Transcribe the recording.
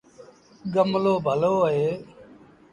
گملو ڀلو اهي۔